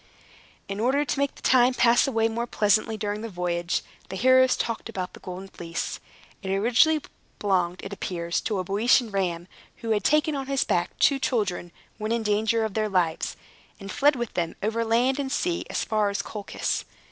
In order to make the time pass away more pleasantly during the voyage, the heroes talked about the Golden Fleece. It originally belonged, it appears, to a Boeotian ram, who had taken on his back two children, when in danger of their lives, and fled with them over land and sea as far as Colchis.